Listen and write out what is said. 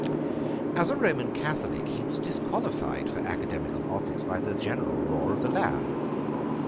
As a Roman Catholic he was disqualified for academical office by the general law of the land.